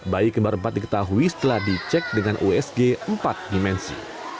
bayi kembar empat diketahui setelah dicek dengan usg empat dimensi